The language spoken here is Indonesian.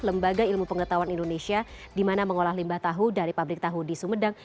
lembaga ilmu pengetahuan indonesia di mana mengolah limbah tahu dari pabrik tahu di sumedang